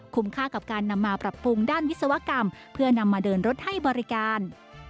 ค่ากับการนำมาปรับปรุงด้านวิศวกรรมเพื่อนำมาเดินรถให้บริการ